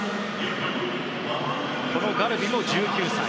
ガルビも１９歳。